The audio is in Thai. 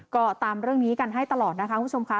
ก็ตามเรื่องนี้กันให้ตลอดนะคะคุณผู้ชมค่ะ